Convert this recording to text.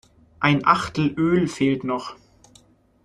Ein Achtel Öl fehlt noch.